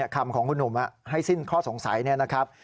คำของคุณหนุ่มให้สิ้นข้อสงสัยเนี่ยนะครับ